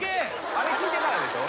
あれ聞いてからでしょ？